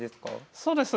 そうです。